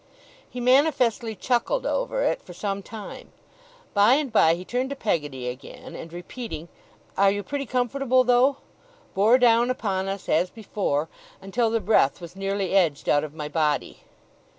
He manifestly chuckled over it for some time. By and by he turned to Peggotty again, and repeating, 'Are you pretty comfortable though?' bore down upon us as before, until the breath was nearly edged out of my body.